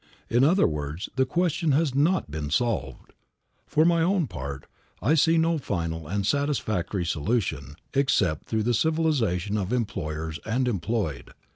In other words, the question has not been solved. For my own part, I see no final and satisfactory solution except through the civilization of employers and employed.